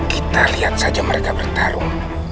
kita lihat saja mereka bertarung